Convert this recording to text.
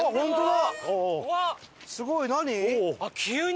すごい！何？